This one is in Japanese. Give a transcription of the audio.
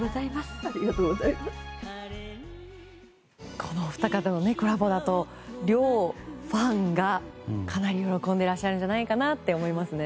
このお二方のコラボだと両ファンがかなり喜んでらっしゃるんじゃないかなって思いますね。